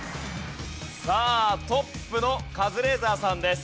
さあトップのカズレーザーさんです。